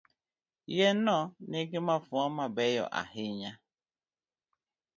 Yien no nigi mafua mabeyo ahinya.